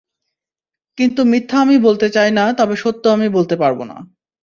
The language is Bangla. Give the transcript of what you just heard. কিন্তু মিথ্যা আমি বলতে চাই না তবে সত্য আমি বলতে পারবো না।